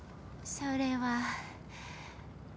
それは。